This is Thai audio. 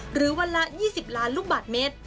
หรือวันละ๒๐ล้านลูกบาทเมตร